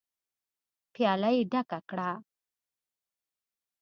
پياله يې ډکه کړه.